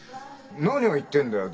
何を言ってるんだよ。